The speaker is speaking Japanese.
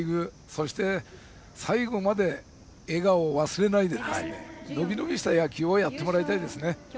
そして最後まで笑顔を忘れないで伸び伸びした野球をやってもらいたいですね。